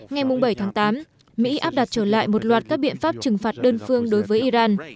ngày bảy tháng tám mỹ áp đặt trở lại một loạt các biện pháp trừng phạt đơn phương đối với iran